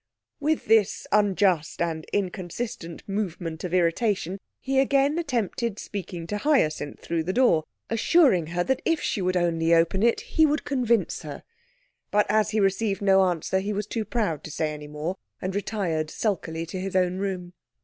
With this unjust and inconsistent movement of irritation, he again attempted speaking to Hyacinth through the door, assuring her that if she would only open it, he would convince her. But as he received no answer, he was too proud to say any more, and retired sulkily to his own room.